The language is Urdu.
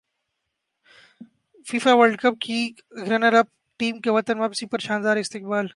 فیفاورلڈ کپ کی رنراپ ٹیم کا وطن واپسی پر شاندار استقبال